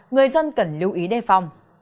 người dân cần lưu ý đề phòng